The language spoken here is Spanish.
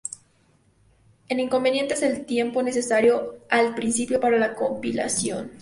El inconveniente es el tiempo necesario al principio para la compilación.